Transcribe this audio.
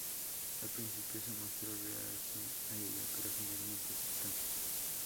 Al principio se mostró reacia a ella pero finalmente aceptó.